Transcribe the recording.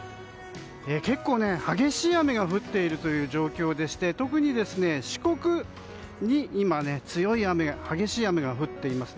結構激しい雨が降っている状況でして特に四国に激しい雨が降っています。